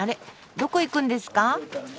どこ行くんですか？